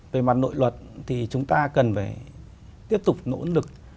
về mặt nội luật thì chúng ta cần phải tiếp tục nỗ lực